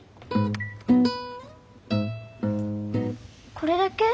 これだけ？